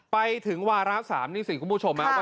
ไปถึงวาระ๓นี่สิคุณผู้ชม